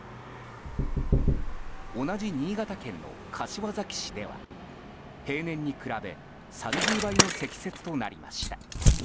同じ新潟県の柏崎市では平年に比べ３０倍の積雪となりました。